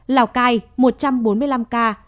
lào cai một trăm bốn mươi năm ca